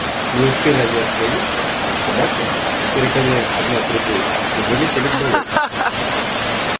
Не успели они остановиться, как собаки, перегоняя одна другую, уже летели к болоту.